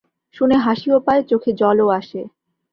শুনে হাসিও পায়, চোখে জলও আসে।